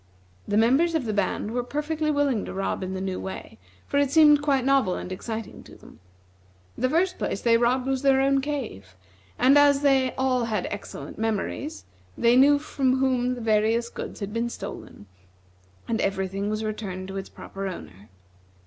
The members of the band were perfectly willing to rob in the new way, for it seemed quite novel and exciting to them. The first place they robbed was their own cave, and as they all had excellent memories, they knew from whom the various goods had been stolen, and every thing was returned to its proper owner.